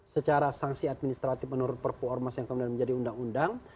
secara sanksi administratif menurut perpu ormas yang kemudian menjadi undang undang